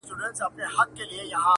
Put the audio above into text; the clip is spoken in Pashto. ښكل مي كړلې؛